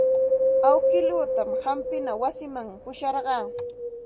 Awkiitan hampina wasiman pusharqaa.